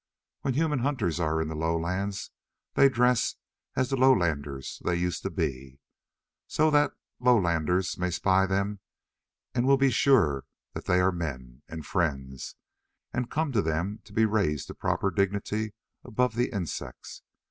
When human hunters are in the lowlands, they dress as the lowlanders they used to be, so that lowlanders who may spy them will be sure that they are men, and friends, and come to them to be raised to proper dignity above the insects.